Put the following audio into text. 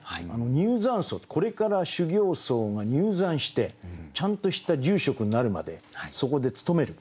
「入山僧」ってこれから修行僧が入山してちゃんとした住職になるまでそこでつとめる。